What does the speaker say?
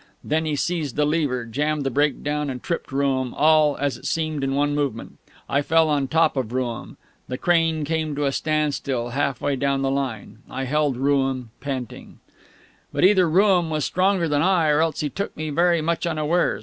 Then he seized the lever, jammed the brake down and tripped Rooum, all, as it seemed, in one movement. I fell on top of Rooum. The crane came to a standstill half way down the line. I held Rooum panting. But either Rooum was stronger than I, or else he took me very much unawares.